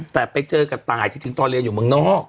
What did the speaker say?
แต่ไปเจอกับตายที่ถึงตอนเรียนอยู่เมืองนอก